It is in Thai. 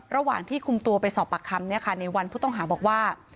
ระหว่างที่คุมตัวไปสอบปากคำในวันผู้ต้องหาบอกว่า